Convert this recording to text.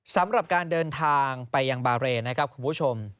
สำหรับการเดินทางไปยังบาเรนนะครับคุณผู้ชม